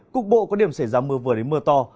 cục bộ có điểm xảy ra mưa vừa đến mưa to